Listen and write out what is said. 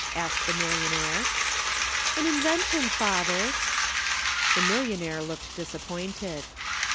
asked the millionaire. "An invention, father." The millionaire looked disappointed.